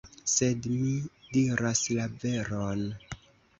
Sed mi diras la veron!